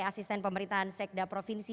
asisten pemerintahan sekda provinsi